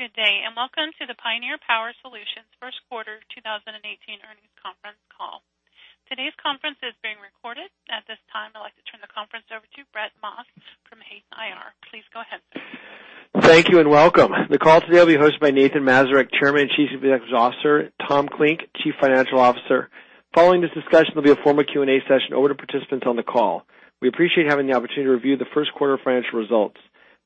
Good day, welcome to the Pioneer Power Solutions first quarter 2018 earnings conference call. Today's conference is being recorded. At this time, I'd like to turn the conference over to Brett Maas from Hayden IR. Please go ahead. Thank you, welcome. The call today will be hosted by Nathan Mazurek, Chairman and Chief Executive Officer, Thomas Klink, Chief Financial Officer. Following this discussion, there'll be a formal Q&A session open to participants on the call. We appreciate having the opportunity to review the first quarter financial results.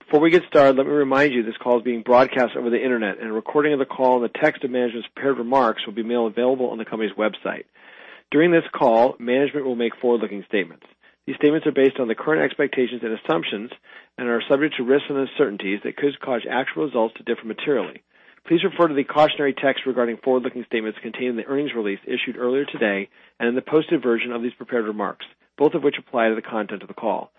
Before we get started, let me remind you this call is being broadcast over the internet, and a recording of the call and a text of management's prepared remarks will be made available on the company's website. During this call, management will make forward-looking statements. These statements are based on the current expectations and assumptions and are subject to risks and uncertainties that could cause actual results to differ materially. Please refer to the cautionary text regarding forward-looking statements contained in the earnings release issued earlier today and in the posted version of these prepared remarks, both of which apply to the content of the call.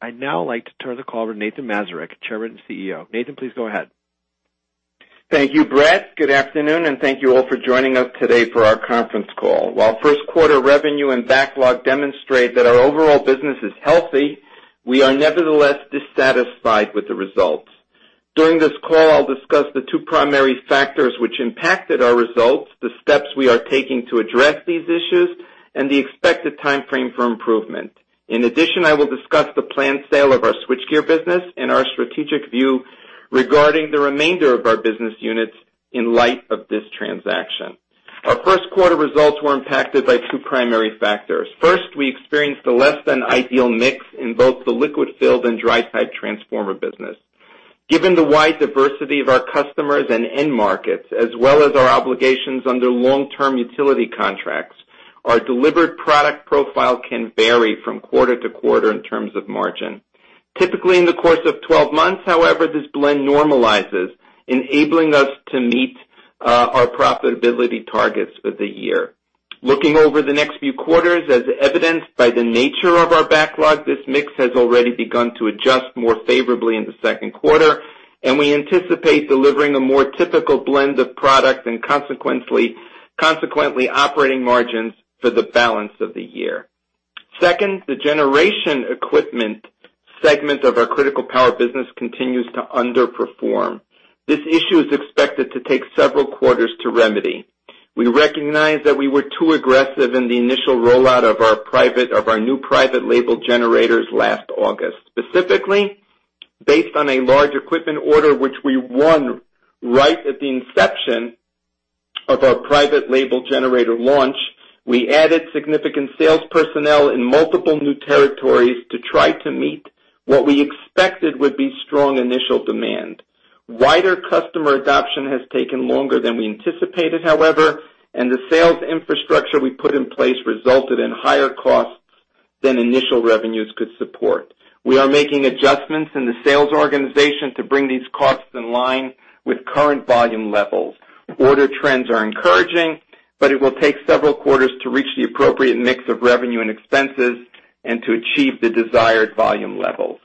I'd now like to turn the call over to Nathan Mazurek, Chairman and CEO. Nathan, please go ahead. Thank you, Brett. Good afternoon, thank you all for joining us today for our conference call. While first quarter revenue and backlog demonstrate that our overall business is healthy, we are nevertheless dissatisfied with the results. During this call, I'll discuss the two primary factors which impacted our results, the steps we are taking to address these issues, and the expected timeframe for improvement. In addition, I will discuss the planned sale of our switchgear business and our strategic view regarding the remainder of our business units in light of this transaction. Our first quarter results were impacted by two primary factors. First, we experienced a less than ideal mix in both the liquid-filled and dry-type transformer business. Given the wide diversity of our customers and end markets, as well as our obligations under long-term utility contracts, our delivered product profile can vary from quarter to quarter in terms of margin. Typically, in the course of 12 months, however, this blend normalizes, enabling us to meet our profitability targets for the year. Looking over the next few quarters, as evidenced by the nature of our backlog, this mix has already begun to adjust more favorably in the second quarter, and we anticipate delivering a more typical blend of products and consequently, operating margins for the balance of the year. Second, the generation equipment segment of our Critical Power business continues to underperform. This issue is expected to take several quarters to remedy. We recognize that we were too aggressive in the initial rollout of our new private label generators last August. Specifically, based on a large equipment order which we won right at the inception of our private label generator launch, we added significant sales personnel in multiple new territories to try to meet what we expected would be strong initial demand. Wider customer adoption has taken longer than we anticipated, however, and the sales infrastructure we put in place resulted in higher costs than initial revenues could support. We are making adjustments in the sales organization to bring these costs in line with current volume levels. It will take several quarters to reach the appropriate mix of revenue and expenses and to achieve the desired volume levels.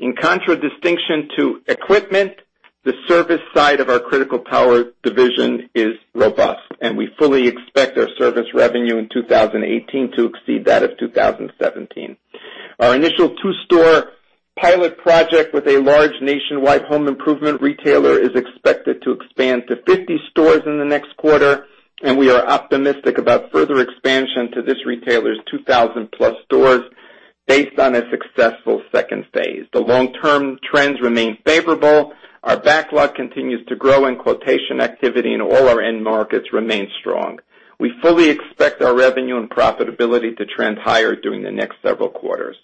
In contradistinction to equipment, the service side of our Critical Power division is robust, and we fully expect our service revenue in 2018 to exceed that of 2017. Our initial two-store pilot project with a large nationwide home improvement retailer is expected to expand to 50 stores in the next quarter, we are optimistic about further expansion to this retailer's 2,000-plus stores based on a successful second phase. The long-term trends remain favorable. Our backlog continues to grow, and quotation activity in all our end markets remains strong. We fully expect our revenue and profitability to trend higher during the next several quarters.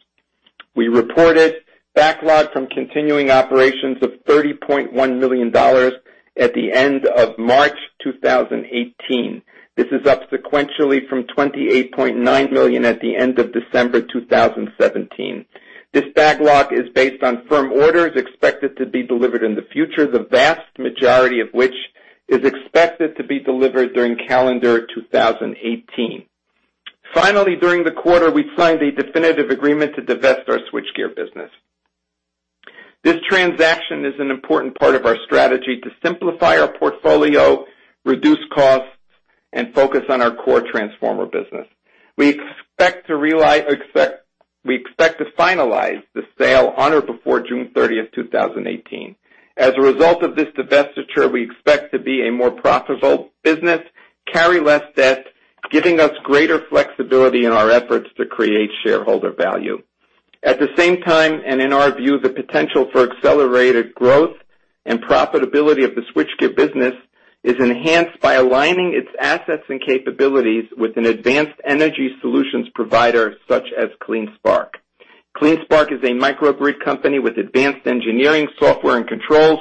We reported backlog from continuing operations of $30.1 million at the end of March 2018. This is up sequentially from $28.9 million at the end of December 2017. This backlog is based on firm orders expected to be delivered in the future, the vast majority of which is expected to be delivered during calendar 2018. During the quarter, we signed a definitive agreement to divest our switchgear business. This transaction is an important part of our strategy to simplify our portfolio, reduce costs, and focus on our core transformer business. We expect to finalize the sale on or before June 30th, 2018. As a result of this divestiture, we expect to be a more profitable business, carry less debt, giving us greater flexibility in our efforts to create shareholder value. At the same time, in our view, the potential for accelerated growth and profitability of the switchgear business is enhanced by aligning its assets and capabilities with an advanced energy solutions provider such as CleanSpark. CleanSpark is a microgrid company with advanced engineering software and controls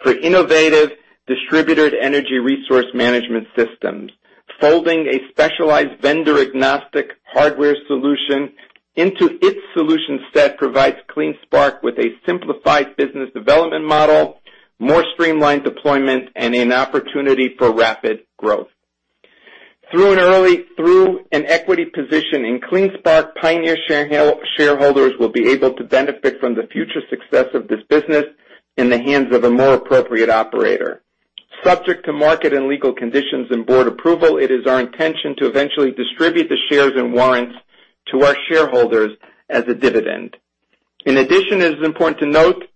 for innovative distributed energy resource management systems. Folding a specialized vendor-agnostic hardware solution into its solution set provides CleanSpark with a simplified business development model, more streamlined deployment, and an opportunity for rapid growth. Through an equity position in CleanSpark, Pioneer shareholders will be able to benefit from the future success of this business in the hands of a more appropriate operator. Subject to market and legal conditions and board approval, it is our intention to eventually distribute the shares and warrants to our shareholders as a dividend. In addition, it is important to note that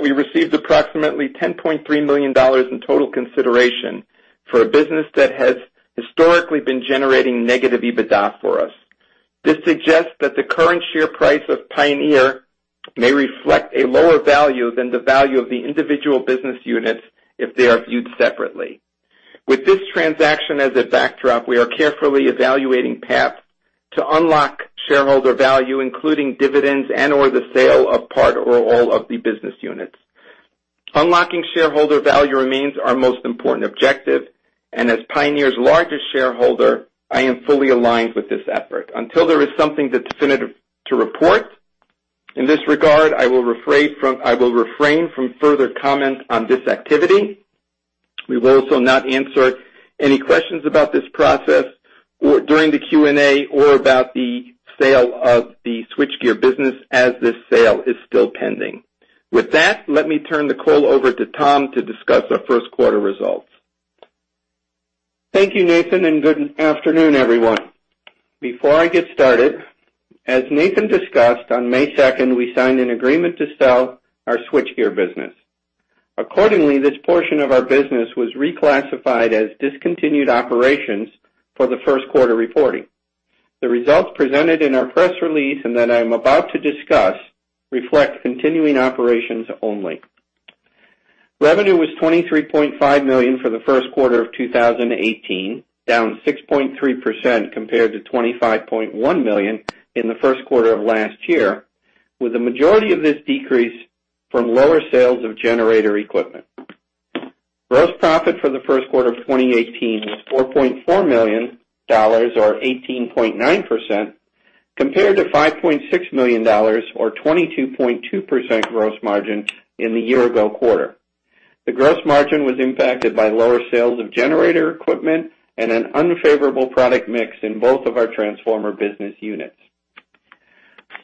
we received approximately $10.3 million in total consideration for a business that has historically been generating negative EBITDA for us. This suggests that the current share price of Pioneer may reflect a lower value than the value of the individual business units if they are viewed separately. With this transaction as a backdrop, we are carefully evaluating paths to unlock shareholder value, including dividends and/or the sale of part or all of the business units. Unlocking shareholder value remains our most important objective, as Pioneer's largest shareholder, I am fully aligned with this effort. Until there is something definitive to report in this regard, I will refrain from further comment on this activity. We will also not answer any questions about this process during the Q&A or about the sale of the switchgear business as this sale is still pending. With that, let me turn the call over to Tom to discuss our first quarter results. Thank you, Nathan. Before I get started, as Nathan discussed, on May 2nd, we signed an agreement to sell our switchgear business. Accordingly, this portion of our business was reclassified as discontinued operations for the first quarter reporting. The results presented in our press release and that I'm about to discuss reflect continuing operations only. Revenue was $23.5 million for the first quarter of 2018, down 6.3% compared to $25.1 million in the first quarter of last year, with the majority of this decrease from lower sales of generator equipment. Gross profit for the first quarter of 2018 was $4.4 million, or 18.9%, compared to $5.6 million or 22.2% gross margin in the year-ago quarter. The gross margin was impacted by lower sales of generator equipment and an unfavorable product mix in both of our transformer business units.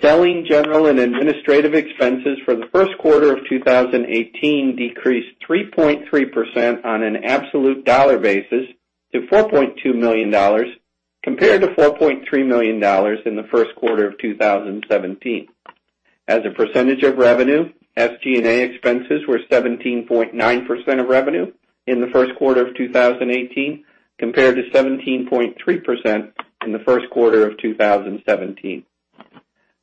Selling, General, and Administrative expenses for the first quarter of 2018 decreased 3.3% on an absolute dollar basis to $4.2 million, compared to $4.3 million in the first quarter of 2017. As a percentage of revenue, SG&A expenses were 17.9% of revenue in the first quarter of 2018, compared to 17.3% in the first quarter of 2017.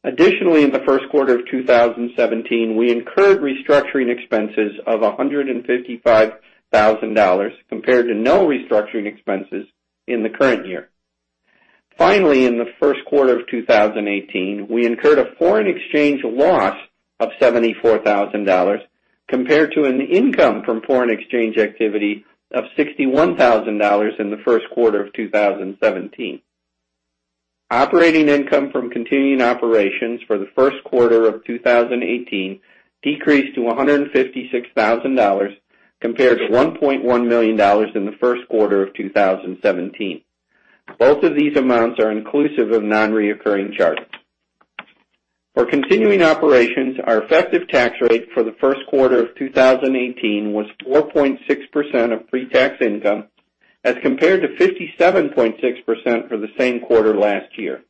Additionally, in the first quarter of 2017, we incurred restructuring expenses of $155,000 compared to no restructuring expenses in the current year. Finally, in the first quarter of 2018, we incurred a foreign exchange loss of $74,000, compared to an income from foreign exchange activity of $61,000 in the first quarter of 2017. Operating income from continuing operations for the first quarter of 2018 decreased to $156,000 compared to $1.1 million in the first quarter of 2017. Both of these amounts are inclusive of non-reoccurring charges. For continuing operations, our effective tax rate for the first quarter of 2018 was 4.6% of pre-tax income as compared to 57.6% for the same quarter last year.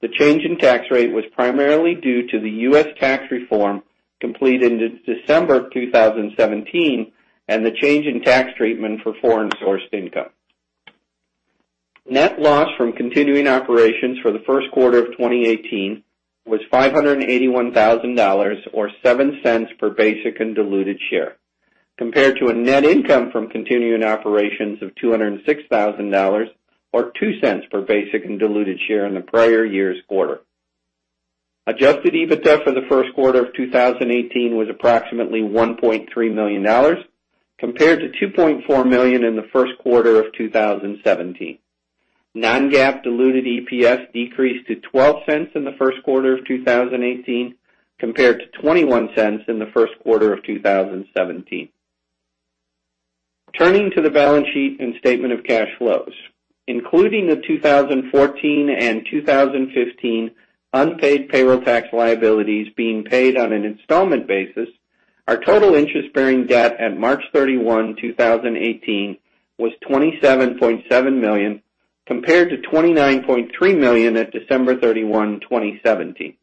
The change in tax rate was primarily due to the U.S. tax reform completed in December of 2017 and the change in tax treatment for foreign-sourced income. Net loss from continuing operations for the first quarter of 2018 was $581,000 or $0.07 per basic and diluted share, compared to a net income from continuing operations of $206,000 or $0.02 per basic and diluted share in the prior year's quarter. Adjusted EBITDA for the first quarter of 2018 was approximately $1.3 million compared to $2.4 million in the first quarter of 2017. Non-GAAP diluted EPS decreased to $0.12 in the first quarter of 2018 compared to $0.21 in the first quarter of 2017. Turning to the balance sheet and statement of cash flows. Including the 2014 and 2015 unpaid payroll tax liabilities being paid on an installment basis, our total interest-bearing debt at March 31, 2018, was $27.7 million, compared to $29.3 million at December 31, 2017.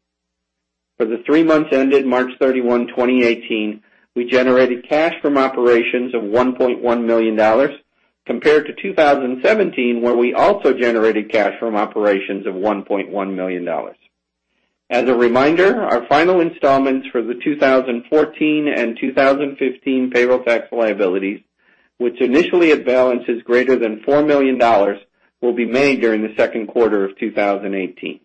For the three months ended March 31, 2018, we generated cash from operations of $1.1 million compared to 2017, where we also generated cash from operations of $1.1 million. As a reminder, our final installments for the 2014 and 2015 payroll tax liabilities, which initially had balances greater than $4 million, will be made during the second quarter of 2018.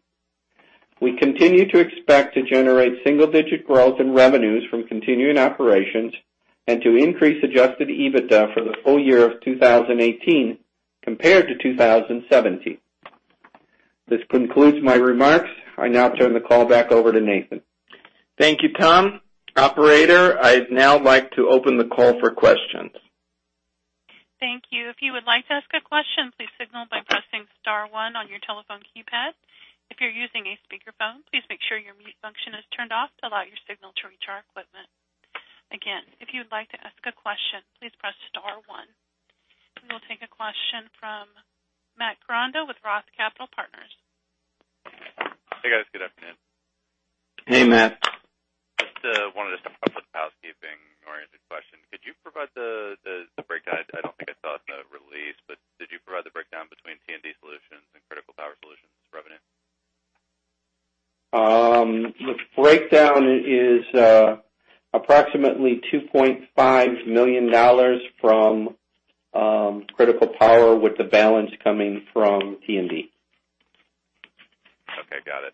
We continue to expect to generate single-digit growth in revenues from continuing operations and to increase adjusted EBITDA for the full year of 2018 compared to 2017. This concludes my remarks. I now turn the call back over to Nathan. Thank you, Tom. Operator, I'd now like to open the call for questions. Thank you. If you would like to ask a question, please signal by pressing *1 on your telephone keypad. If you're using a speakerphone, please make sure your mute function is turned off to allow your signal to reach our equipment. Again, if you would like to ask a question, please press star one. We will take a question from Matt Grandon with Roth Capital Partners. Hey, guys. Good afternoon. Hey, Matt. Just wanted to start off with a housekeeping-oriented question. Could you provide the breakdown? I don't think I saw it in the release, but did you provide the breakdown between T&D Solutions and Critical Power Solutions revenue? The breakdown is approximately $2.5 million from Critical Power, with the balance coming from T&D. Okay. Got it.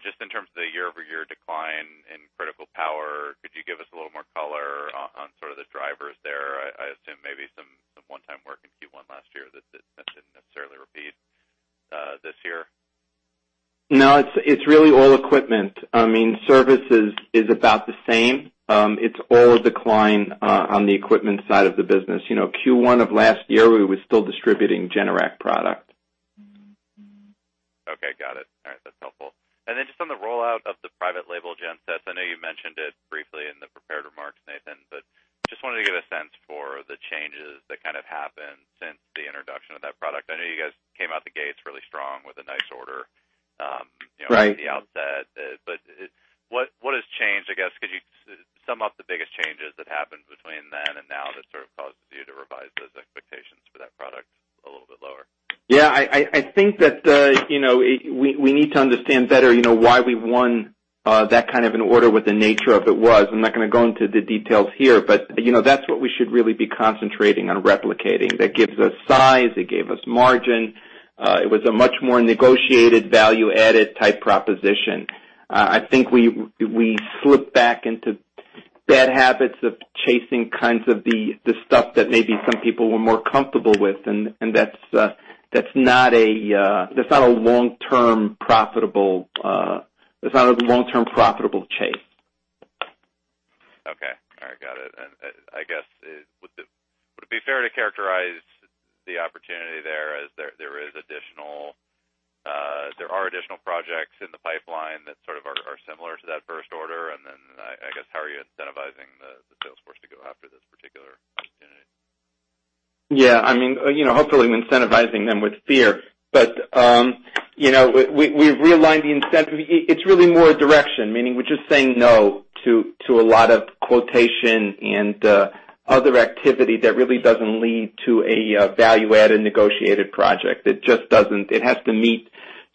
Just in terms of the year-over-year decline in Critical Power, could you give us a little more color on sort of the drivers there? I assume maybe some one-time work in Q1 last year that didn't necessarily repeat this year. No, it's really all equipment. Services is about the same. It's all a decline on the equipment side of the business. Q1 of last year, we were still distributing Generac product. Okay. Got it. All right. That's helpful. Just on the rollout of the private label gensets, I know you mentioned it briefly in the prepared remarks, Nathan, wanted to get a sense for the changes that kind of happened since the introduction of that product. I know you guys came out the gates really strong with a nice order. Right from the outset. What has changed, I guess? Could you sum up the biggest changes that happened between then and now that sort of caused you to revise those expectations for that product a little bit lower? Yeah, I think that we need to understand better why we won that kind of an order, what the nature of it was. I'm not going to go into the details here, but that's what we should really be concentrating on replicating. That gives us size. It gave us margin. It was a much more negotiated value-added type proposition. I think we slipped back into bad habits of chasing kinds of the stuff that maybe some people were more comfortable with. That's not a long-term profitable chase. Okay. All right. Got it. I guess, would it be fair to characterize the opportunity there as there are additional projects in the pipeline that sort of are similar to that first order? I guess, how are you incentivizing the sales force to go after this particular opportunity? Yeah. Hopefully I'm incentivizing them with fear. We've realigned the incentive. It's really more a direction, meaning we're just saying no to a lot of quotation and other activity that really doesn't lead to a value-added negotiated project. It just doesn't. It has to meet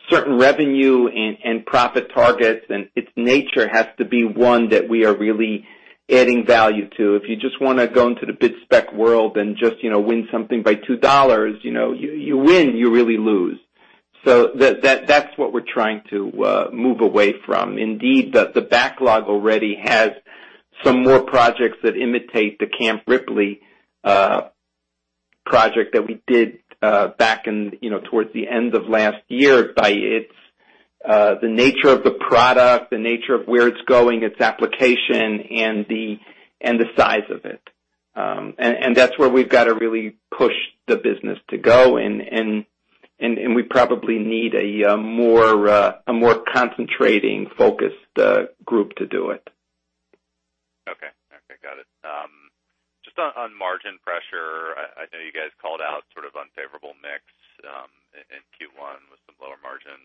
certain revenue and profit targets. Its nature has to be one that we are really adding value to. If you just want to go into the bid spec world and just win something by $2, you win, you really lose. That's what we're trying to move away from. Indeed, the backlog already has some more projects that imitate the Camp Ripley project that we did back towards the end of last year by the nature of the product, the nature of where it's going, its application, and the size of it. That's where we've got to really push the business to go. We probably need a more concentrating, focused group to do it. Okay. Got it. Just on margin pressure, I know you guys called out sort of unfavorable mix in Q1 with some lower margin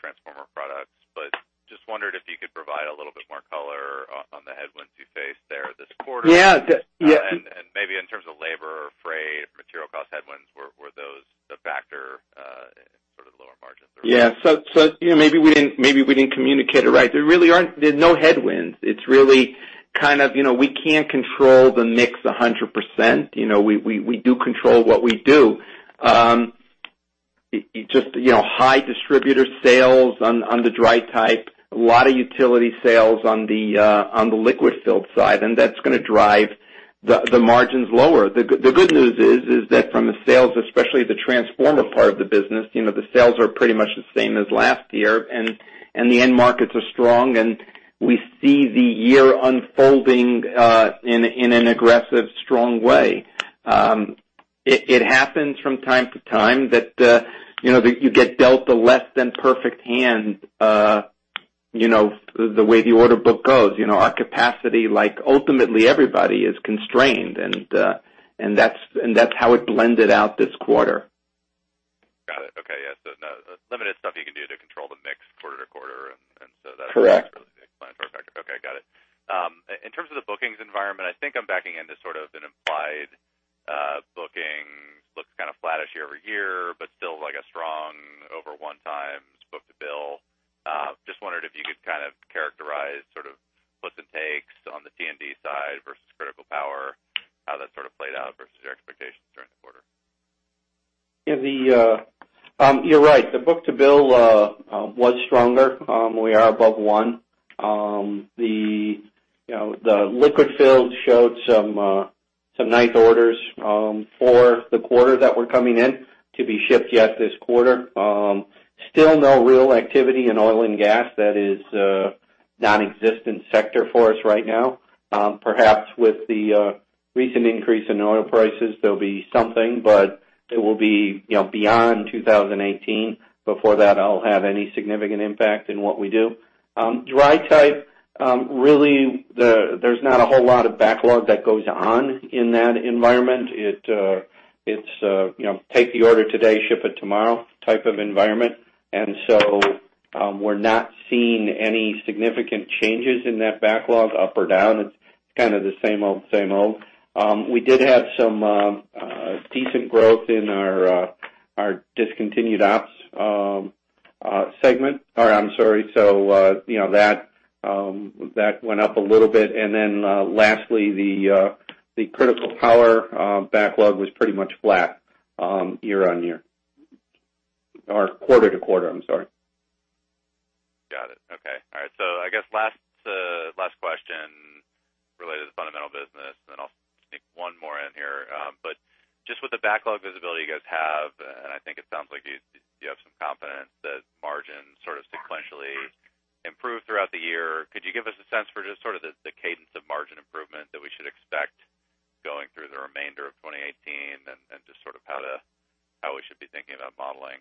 transformer products, just wondered if you could provide a little bit more color on the headwinds you faced there this quarter. Yeah. Maybe in terms of labor or freight, material cost headwinds, were those the factor in sort of the lower margins? Yeah. Maybe we didn't communicate it right. There's no headwinds. It's really kind of we can't control the mix 100%. We do control what we do. Just high distributor sales on the dry type, a lot of utility sales on the liquid-filled side, that's going to drive the margins lower. The good news is that from a sales, especially the transformer part of the business, the sales are pretty much the same as last year. The end markets are strong. We see the year unfolding in an aggressive, strong way. It happens from time to time that you get dealt a less than perfect hand the way the order book goes. Our capacity, like ultimately everybody, is constrained, that's how it blended out this quarter. Got it. Okay. Yeah. Limited stuff you can do to control the mix quarter to quarter. Correct explains our perspective. Okay. Got it. In terms of the bookings environment, I think I'm backing into sort of an implied bookings looks kind of flattish year-over-year, but still like a strong over one times book to bill. Just wondered if you could kind of characterize sort of puts and takes on the T&D side versus Critical Power, how that sort of played out versus your expectations during the quarter. You're right. The book to bill was stronger. We are above one. The liquid-filled showed some nice orders for the quarter that were coming in to be shipped yet this quarter. Still no real activity in oil and gas. That is Nonexistent sector for us right now. Perhaps with the recent increase in oil prices, there'll be something, but it will be beyond 2018 before that'll have any significant impact in what we do. Dry type, really, there's not a whole lot of backlog that goes on in that environment. It's take the order today, ship it tomorrow type of environment. We're not seeing any significant changes in that backlog up or down. It's kind of the same old, same old. We did have some decent growth in our discontinued ops segment. That went up a little bit. Lastly, the critical power backlog was pretty much flat year-on-year. Or quarter-to-quarter, I'm sorry. Got it. Okay. All right. I guess last question related to fundamental business, then I'll sneak one more in here. Just with the backlog visibility you guys have, and I think it sounds like you have some confidence that margins sequentially improve throughout the year. Could you give us a sense for just sort of the cadence of margin improvement that we should expect going through the remainder of 2018 and just sort of how we should be thinking about modeling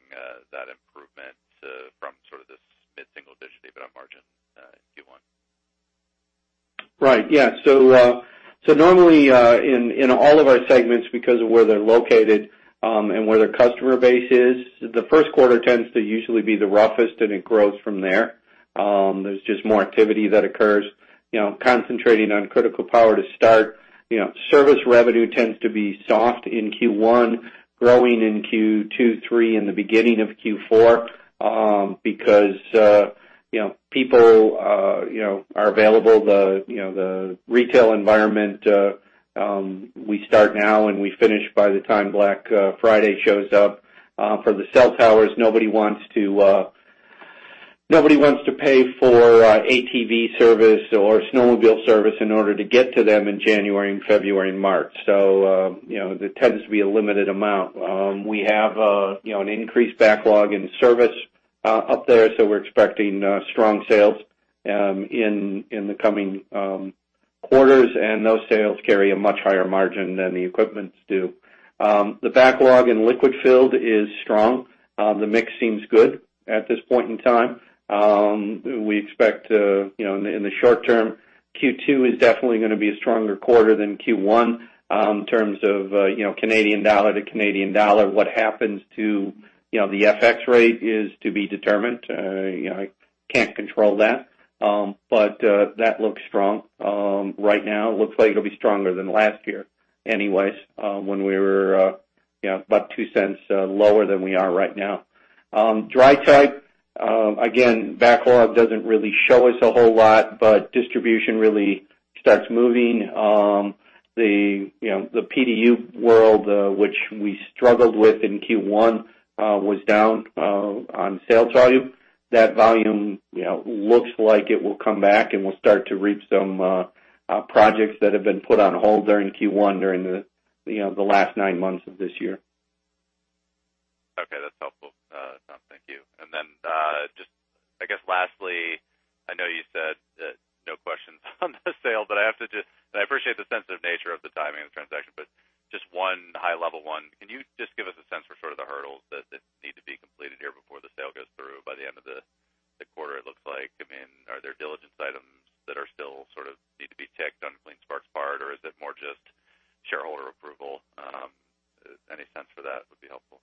that improvement from sort of this mid-single digit EBITDA margin in Q1? Right. Yeah. Normally, in all of our segments because of where they're located, and where their customer base is, the first quarter tends to usually be the roughest and it grows from there. There's just more activity that occurs. Concentrating on Critical Power to start, service revenue tends to be soft in Q1, growing in Q2, three, and the beginning of Q4, because people are available. The retail environment, we start now, and we finish by the time Black Friday shows up. For the cell towers, nobody wants to pay for ATV service or snowmobile service in order to get to them in January and February, March. There tends to be a limited amount. We have an increased backlog in service up there, so we're expecting strong sales in the coming quarters, and those sales carry a much higher margin than the equipments do. The backlog in liquid-filled is strong. The mix seems good at this point in time. We expect in the short term, Q2 is definitely going to be a stronger quarter than Q1, in terms of Canadian dollar to Canadian dollar. What happens to the FX rate is to be determined. I can't control that. That looks strong right now. Looks like it'll be stronger than last year anyways, when we were about 0.02 lower than we are right now. Dry type, again, backlog doesn't really show us a whole lot, but distribution really starts moving. The PDU world, which we struggled with in Q1, was down on sales volume. That volume looks like it will come back and we'll start to reap some projects that have been put on hold there in Q1 during the last nine months of this year. Okay, that's helpful, Tom. Thank you. Then just I guess lastly, I know you said no questions on the sale, I appreciate the sensitive nature of the timing of the transaction, just one high level one. Can you just give us a sense for sort of the hurdles that need to be completed here before the sale goes through by the end of the quarter, it looks like? Are there diligence items that still sort of need to be ticked on CleanSpark's part, or is it more just shareholder approval? Any sense for that would be helpful.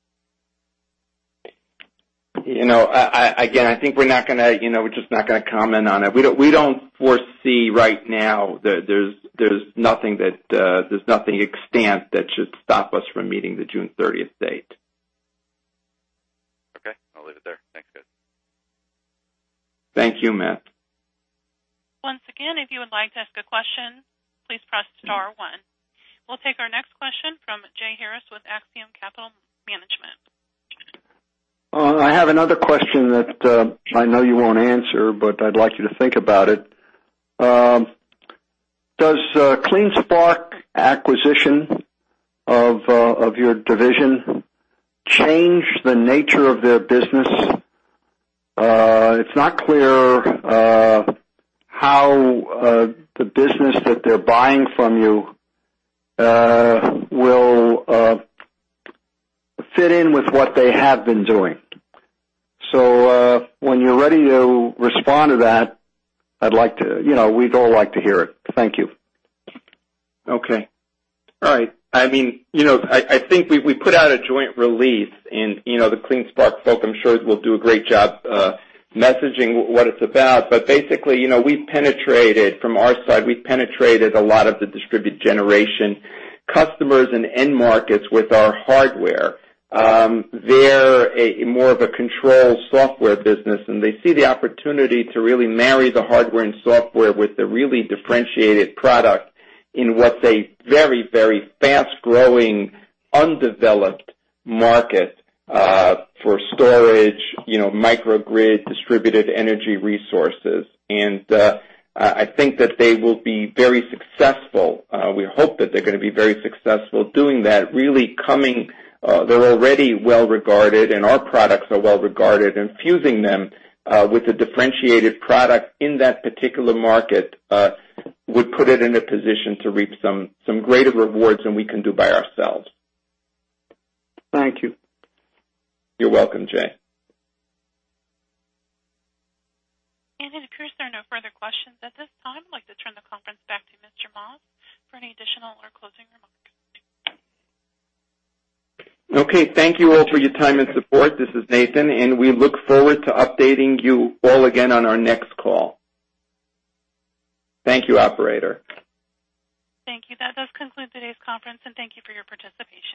Again, I think we're just not going to comment on it. We don't foresee right now there's nothing extant that should stop us from meeting the June 30th date. Okay. I'll leave it there. Thanks, guys. Thank you, Matt. Once again, if you would like to ask a question, please press star one. We'll take our next question from Jay Harris with Axiom Capital Management. I have another question that I know you won't answer, but I'd like you to think about it. Does CleanSpark acquisition of your division change the nature of their business? It's not clear how the business that they're buying from you will fit in with what they have been doing. When you're ready to respond to that, we'd all like to hear it. Thank you. Okay. All right. I think we put out a joint release and the CleanSpark folk I'm sure will do a great job messaging what it's about. Basically, from our side, we've penetrated a lot of the distributed generation customers and end markets with our hardware. They're more of a control software business, and they see the opportunity to really marry the hardware and software with a really differentiated product in what's a very, very fast-growing, undeveloped market for storage, microgrid, distributed energy resources. I think that they will be very successful. We hope that they're going to be very successful doing that, they're already well-regarded, and our products are well-regarded, and fusing them with a differentiated product in that particular market would put it in a position to reap some greater rewards than we can do by ourselves. Thank you. You're welcome, Jay. It appears there are no further questions at this time. I'd like to turn the conference back to Mr. Maas for any additional or closing remarks. Okay. Thank you all for your time and support. This is Nathan, and we look forward to updating you all again on our next call. Thank you, operator. Thank you. That does conclude today's conference, and thank you for your participation.